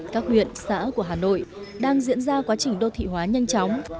các huyện xã của hà nội đang diễn ra quá trình đô thị hóa nhanh chóng